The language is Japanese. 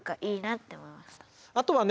あとはね